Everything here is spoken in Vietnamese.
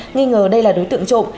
nghĩ ngờ đây là đối tượng trộm